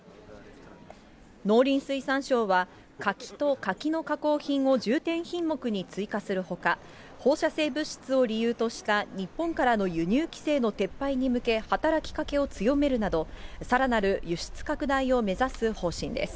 農林水産省は、柿と柿の加工品を重点品目に追加するほか、放射性物質を理由とした日本からの輸入規制の撤廃に向け、働きかけを強めるなど、さらなる輸出拡大を目指す方針です。